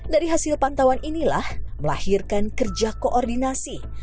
dari hasil pantauan inilah melahirkan kerja koordinasi